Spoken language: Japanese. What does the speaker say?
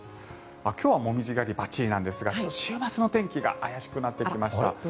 今日はモミジ狩りバッチリなんですが週末の天気が怪しくなってきました。